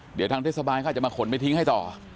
เดี๋ยวทางเทศบาลเขาอาจจะมาขนไปทิ้งให้ต่อ